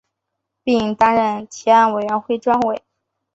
并担任提案委员会专委。